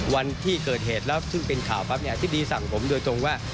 วันที่เกิดเหตุแล้วซึ่งเป็นข่าวปั๊บเนี่ยอธิบดีสั่งผมโดยตรงว่า